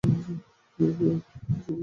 তিনি এই বিভাগে প্রথম পুরস্কার বিজয়ী।